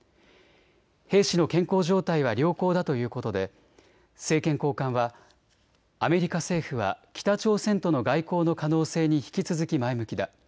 兵士の健康状態は良好だということで政権高官はアメリカ政府は北朝鮮との外交の可能性に引き続き前向きだ。